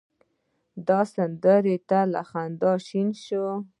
دې سندره ته له خندا شنه شوه.